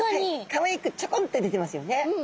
かわいくチョコンッて出てますよね。